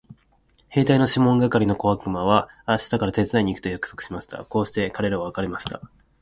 兵隊のシモン係の小悪魔は明日から手伝いに行くと約束しました。こうして彼等は別れました。